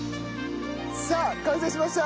さあ完成しました。